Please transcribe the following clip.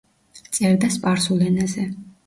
წერდა სპარსულ ენაზე.